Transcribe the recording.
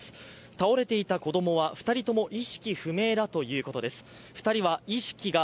倒れていた子供は２人とも意識不明だということです。